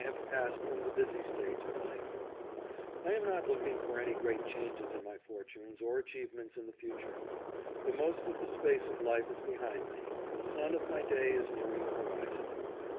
581 have passed from the busy stage of life. I am not looking for any great changes in my fortunes or achievements in the future. The most of the space of life is behind me and the sun of my day is nearing the horizon.